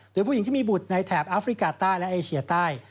โดยผู้หญิงที่มีบุตรในแถบแอฟริกาใต้และเอเชียใต้